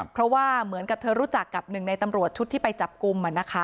เพราะว่าเหมือนกับเธอรู้จักกับหนึ่งในตำรวจชุดที่ไปจับกลุ่ม